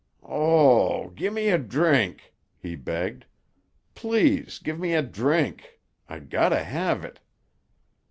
"O ooh! Gimme a drink," he begged. "Please gimme a drink. I gotta have it."